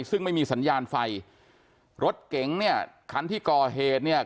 ซึ่งไม่มีสัญญาณไฟรถเก๋งเนี่ยคันที่ก่อเหตุเนี่ย